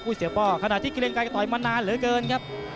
เสียป้อขณะที่เกรงไกรก็ต่อยมานานเหลือเกินครับ